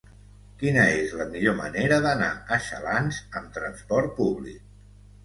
Quina és la millor manera d'anar a Xalans amb transport públic?